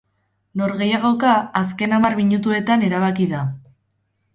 Norgehiagoka azken hamar minutuetan erabaki da.